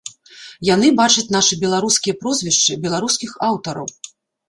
Яны бачаць нашы беларускія прозвішчы, беларускіх аўтараў.